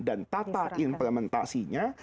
dan tata implementasinya